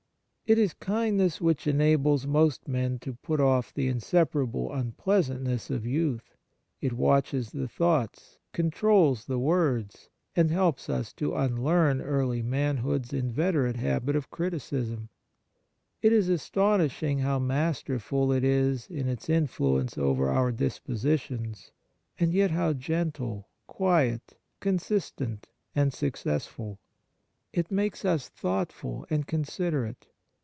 It is kind ness which enables most men to put off the inseparable unpleasantness of youth. It watches the thoughts, controls the words, and helps us to unlearn early manhood's inveterate habit of criticism. It is astonish ing how masterful it is in its influence over our dispositions, and yet how gentle, quiet, consistent, and successful. It makes us thoughtful and considerate.